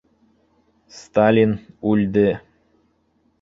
Сталин үлде.